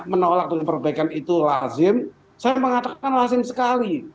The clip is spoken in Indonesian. menolak dengan perbaikan itu lazim saya mengatakan lazim sekali